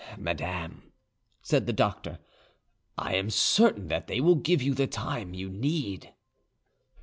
"Madame," said the doctor, "I am certain that they will give you the time you need."